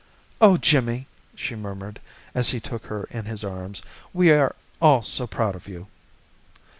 "Oh, Jimmy!" she murmured, as he took her in his arms. "We're all so proud of you!"